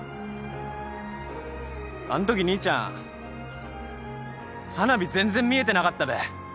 あんとき兄ちゃん花火全然見えてなかったべ？